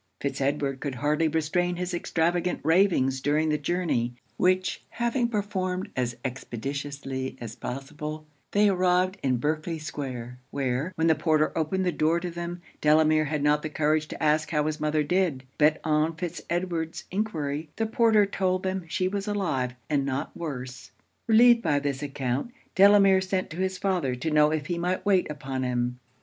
Fitz Edward could hardly restrain his extravagant ravings during the journey; which having performed as expeditiously as possible, they arrived in Berkley square; where, when the porter opened the door to them, Delamere had not courage to ask how his mother did; but on Fitz Edward's enquiry, the porter told them she was alive, and not worse. Relieved by this account, Delamere sent to his father to know if he might wait upon him.